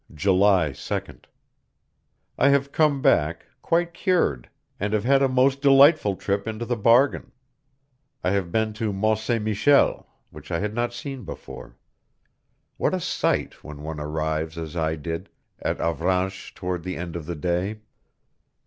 July 2d. I have come back, quite cured, and have had a most delightful trip into the bargain. I have been to Mont Saint Michel, which I had not seen before. What a sight, when one arrives as I did, at Avranches toward the end of the day!